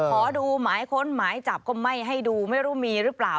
ขอดูหมายค้นหมายจับก็ไม่ให้ดูไม่รู้มีหรือเปล่า